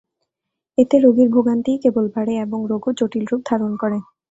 এতে রোগীর ভোগান্তিই কেবল বাড়ে এবং রোগও জটিল রূপ ধারণ করে।